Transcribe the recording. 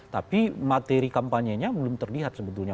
tapi materi kampanye nya belum terlihat sebetulnya